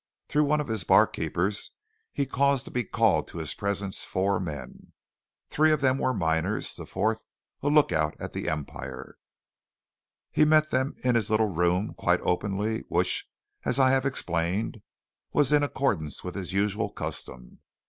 Through one of his barkeepers he caused to be called to his presence four men. Three of them were miners, the fourth a lookout at the Empire. He met them in his little room, quite openly, which, as I have explained, was in accordance with his usual custom.